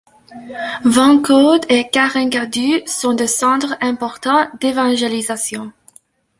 Vencode et Karenkadu sont des centres importants d’évangélisation.